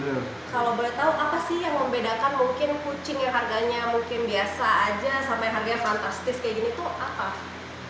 kalau boleh tahu apa sih yang membedakan mungkin kucing yang harganya mungkin biasa aja sampai harga fantastis kayak gini tuh apa